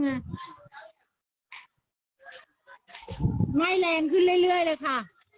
ไหม้แรงขึ้นเรื่อยเลยค่ะ